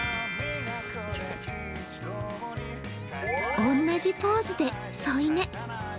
おんなじポーズで添い寝。